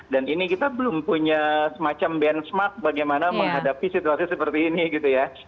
dan ini kita belum punya semacam benchmark bagaimana menghadapi situasi seperti ini gitu ya